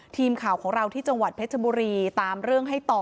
ทีมข่าวของเราที่จังหวัดเพชรบุรีตามเรื่องให้ต่อ